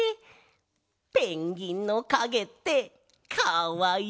ペンギンのかげってかわいいねえ。